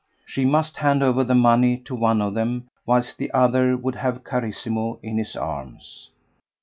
She must hand over the money to one of them, whilst the other would have Carissimo in his arms.